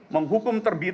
menghukum terbidak penjara